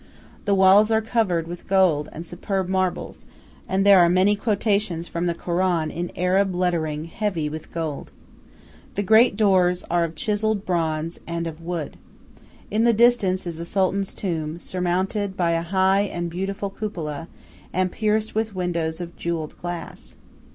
The walls are covered with gold and superb marbles, and there are many quotations from the Koran in Arab lettering heavy with gold. The great doors are of chiseled bronze and of wood. In the distance is a sultan's tomb, surmounted by a high and beautiful cupola, and pierced with windows of jeweled glass.